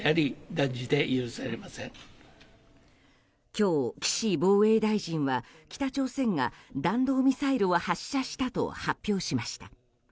今日、岸防衛大臣は北朝鮮が弾道ミサイルを発射したと発表しました。